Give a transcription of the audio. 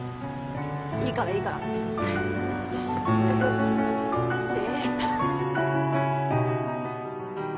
いいからいいからほらよしえ